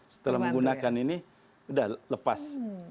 setelah menggunakan ini sudah lepas